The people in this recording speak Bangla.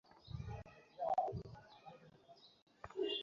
কাজেই স্ট্রিক যদি না-ও থাকেন, সেটা নিয়ে চিন্তিত হওয়ার কিছু নেই।